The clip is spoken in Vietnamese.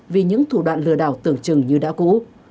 vì những thủ đoạn lừa đảo tưởng chừng như đã cũ